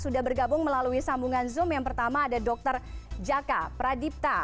sudah bergabung melalui sambungan zoom yang pertama ada dr jaka pradipta